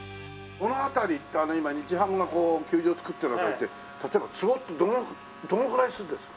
この辺りって今日ハムがこう球場造ってる辺りって例えば坪ってどのくらいするんですか？